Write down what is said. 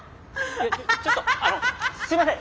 ちょっとあのすいません！